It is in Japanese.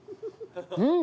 うん。